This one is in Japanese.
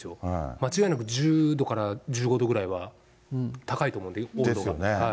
間違いなく１０度から１５度ぐらいは高いと思うんで。ですよね。